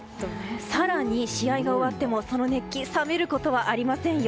更に、試合が終わってもその熱気冷めることはありませんよ。